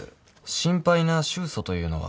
心配な愁訴というのは？